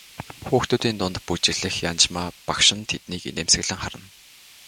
Хүүхдүүдийн дунд бүжиглэх Янжмаа багш нь тэднийг инээмсэглэн харна.